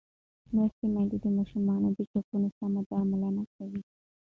لوستې میندې د ماشومانو د ټپونو سم درملنه کوي.